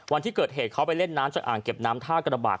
วันที่เกิดเหตุเขาไปเล่นน้ำจากอ่างเก็บน้ำท่ากระบาด